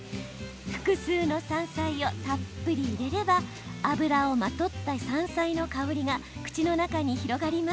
複数の山菜をたっぷり入れれば油をまとった山菜の香りが口の中に広がります。